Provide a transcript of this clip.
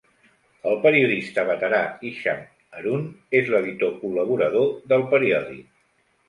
El periodista veterà Hisham Harun és l'editor col·laborador del periòdic.